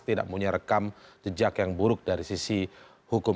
tidak punya rekam jejak yang buruk dari sisi hukum